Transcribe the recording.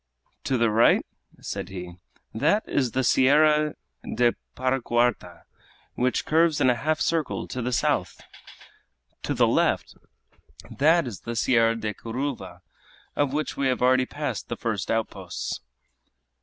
"To the right," said he, "that is the Sierra de Paracuarta, which curves in a half circle to the south! To the left, that is the Sierra de Curuva, of which we have already passed the first outposts."